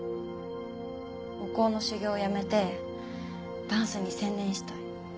お香の修行をやめてダンスに専念したい。